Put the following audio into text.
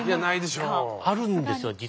あるんですよ。